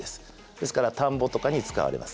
ですから田んぼとかに使われます。